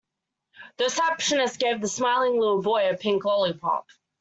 The receptionist gave the smiling little boy a pink lollipop.